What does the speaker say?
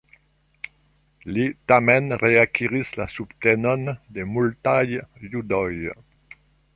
Li tamen reakiris la subtenon de multaj judoj.